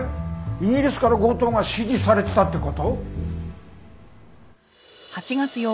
イギリスから強盗が指示されてたって事？